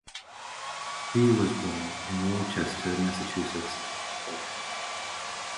He was born in Worcester, Massachusetts.